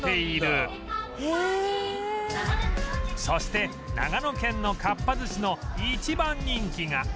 そして長野県のかっぱ寿司の一番人気が